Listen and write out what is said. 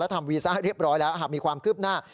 ทำวีซ่าเรียบร้อยแล้วหากมีความคืบหน้า